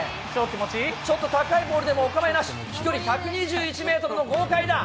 ちょっと高いボールでも、お構いなし、飛距離１２１メートルの豪快な。